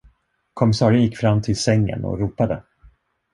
Kommissarien gick fram till sängen och ropade.